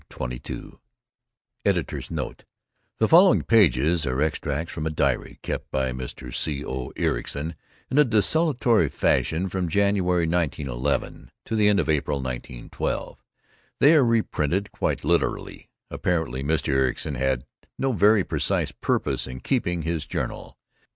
CHAPTER XXII (Editor's Note: The following pages are extracts from a diary kept by Mr. C. O. Ericson in a desultory fashion from January, 1911, to the end of April, 1912. They are reprinted quite literally. Apparently Mr. Ericson had no very precise purpose in keeping his journal.